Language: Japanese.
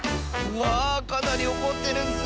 うわあかなりおこってるッス。